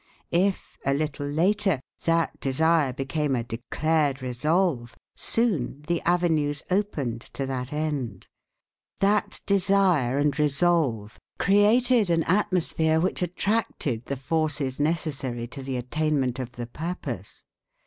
If, a little later, that desire became a declared resolve, soon the avenues opened to that end. That desire and resolve created an atmosphere which attracted the forces necessary to the attainment of the purpose.